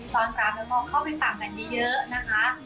ตอนกลางเข้าไปฝากกันเยอะนะคะ